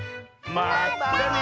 まったね！